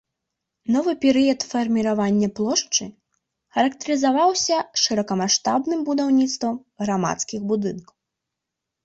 Новы перыяд фарміравання плошчы, характарызаваўся шырокамаштабным будаўніцтвам грамадскіх будынкаў.